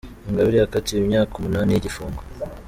Ingabire yakatiwe imyaka umunani y’igifungo